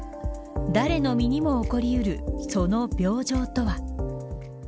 誰の身にも起こり得るその病状とは。